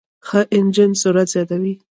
ښه انجن سرعت زیاتوي.